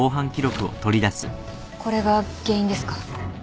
これが原因ですか？